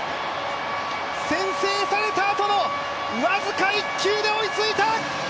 先制されたあとの僅か１球で追いついた。